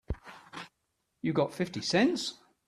You got fifty cents?